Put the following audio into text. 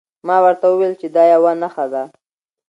ما ورته وویل چې دا یوه نښه ده.